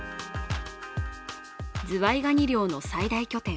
ズワイガニ漁の最大拠点